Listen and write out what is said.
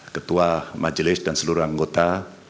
ketua majelis dan seluruh anggota